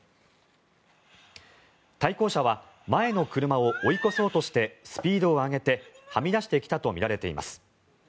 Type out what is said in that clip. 対向車は前の車を追い越そうとしてスピードを上げてはみ出してきたとみられています。